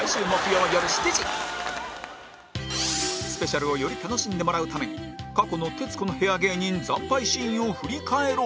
スペシャルをより楽しんでもらうために過去の徹子の部屋芸人惨敗シーンを振り返ろう